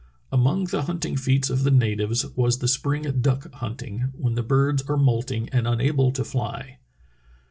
Among the hunting feats of the natives was the spring duck hunting, when the birds are moulting and unable to fly.